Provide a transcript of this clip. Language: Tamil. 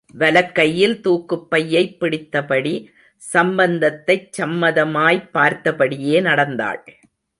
வலக்கையில் தூக்குப் பையைப் பிடித்தபடி, சம்பந்தத்தைச் சம்மதமாய்ப் பார்த்தபடியே நடந்தாள்.